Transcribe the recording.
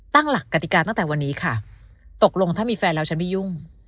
ตั้งหลักกติกาตั้งแต่วันนี้ค่ะตกลงถ้ามีแฟนแล้วฉันไม่ยุ่ง